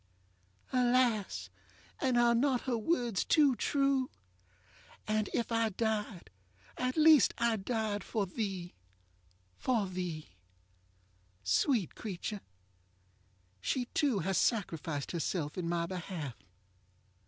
ŌĆØ Alas! and are not her words too true? ŌĆ£And if I died, at least I died For theeŌĆöfor thee. ŌĆØ Sweet creature! she too has sacrificed herself in my behalf.